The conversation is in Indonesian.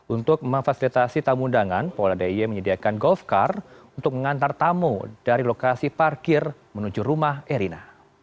untuk memfasilitasi tamu undangan polda d i e menyediakan golf car untuk mengantar tamu dari lokasi parkir menuju rumah erina